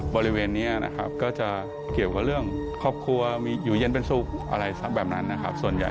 บริเวณนี้นะครับก็จะเกี่ยวกับเรื่องครอบครัวมีอยู่เย็นเป็นสุขอะไรสักแบบนั้นนะครับส่วนใหญ่